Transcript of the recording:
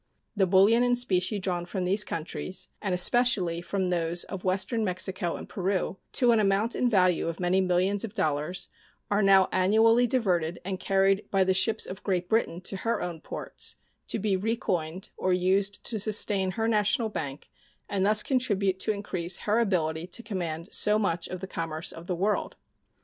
The bullion and specie drawn from these countries, and especially from those of western Mexico and Peru, to an amount in value of many millions of dollars, are now annually diverted and carried by the ships of Great Britain to her own ports, to be recoined or used to sustain her national bank, and thus contribute to increase her ability to command so much of the commerce of the world.